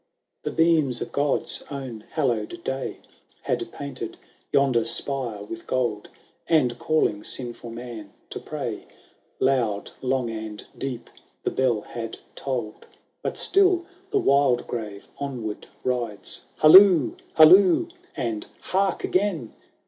in The beams of God's own hallowed day Had painted yonder spire with gold, And, calling sinful man to pray, Loud, long, and deep, the bell had tolled : IV But still the "Wildgrave onward rides ; Halloo, halloo ! and, hark again